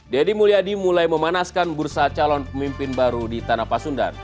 dedy mulyadi mulai memanaskan bursa calon pemimpin baru di tanah pasundan